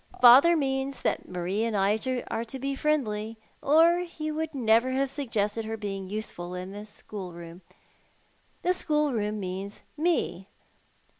Father means that Marie and I are to bo friendly, or he would never have suggested her being useful in the schoolroom. The schoolroom means me.